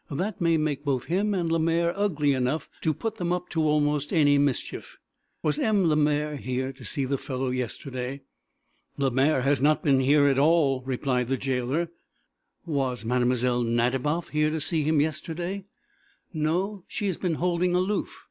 That may make both him and Lemaire ugly enough to put them up to almost any mischief. Was M. Lemaire here to see the fellow yesterday?" "Lemaire has not been hero at all," replied the jailer. "Was Mlle. Nadiboff here to see him yesterday?" "No; she has been holding aloof.